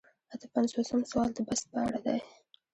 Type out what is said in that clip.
اته پنځوسم سوال د بست په اړه دی.